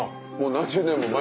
何十年も前。